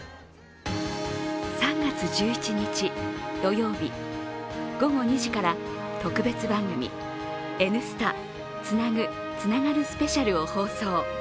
３月１１日土曜日午後２時から特別番組「Ｎスタつなぐ、つながるＳＰ」を放送。